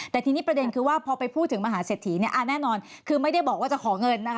แต่ทีนี้ประเด็นคือว่าพอไปพูดถึงมหาเศรษฐีแน่นอนคือไม่ได้บอกว่าจะขอเงินนะคะ